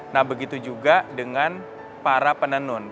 nah begitu juga dengan para penenun